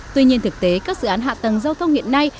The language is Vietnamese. tuy nhiên thực tế các dự án hạ tầng giao thông hiện nay